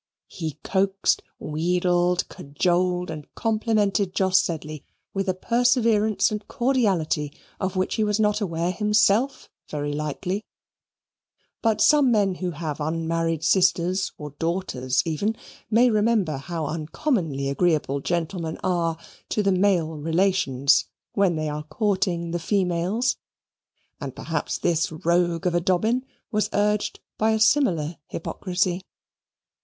He coaxed, wheedled, cajoled, and complimented Jos Sedley with a perseverance and cordiality of which he was not aware himself, very likely; but some men who have unmarried sisters or daughters even, may remember how uncommonly agreeable gentlemen are to the male relations when they are courting the females; and perhaps this rogue of a Dobbin was urged by a similar hypocrisy.